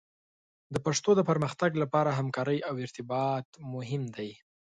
د پښتو د پرمختګ لپاره همکارۍ او ارتباط مهم دي.